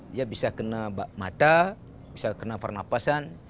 dia bisa kena bak mata bisa kena pernapasan